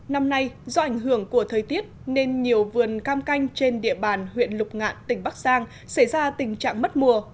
năm nay do ảnh hưởng của thời tiết nên nhiều vườn cam canh trên địa bàn huyện lục ngạn tỉnh bắc giang xảy ra tình trạng mất mùa